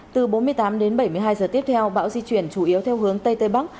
từ bốn mươi tám đến bảy mươi hai giờ tiếp theo bão di chuyển chủ yếu theo hướng tây tây bắc